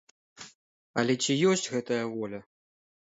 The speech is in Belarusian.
Але ці ёсць гэтая воля?